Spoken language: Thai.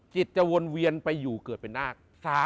จิตจะวนเวียนไปอยู่เกิดเป็นนาค